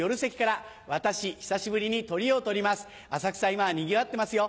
今はにぎわってますよ